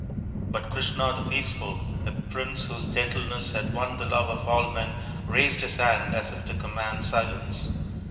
But Krishna the Peaceful, a prince whose gentleness had won the love of all men, raised his hand as if to command silence.